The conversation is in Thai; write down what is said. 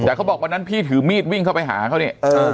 แต่เขาบอกวันนั้นพี่ถือมีดวิ่งเข้าไปหาเขาเนี่ย